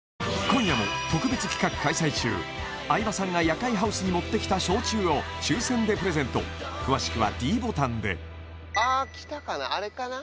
今夜も特別企画開催中相葉さんが夜会ハウスに持ってきた焼酎を抽選でプレゼント詳しくはｄボタンであー来たかなあれかな？